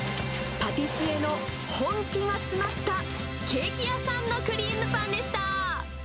パティシエの本気が詰まったケーキ屋さんのクリームパンでした。